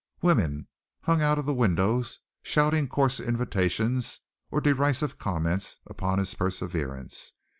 Women hung out of the windows, shouting coarse invitations or derisive comments upon his perseverance.